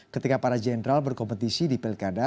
ketika para jenderal berkompetisi di pilkada